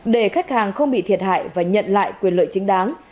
để khách hàng không bị thiệt hại và nhận lại quyền lợi chính đáng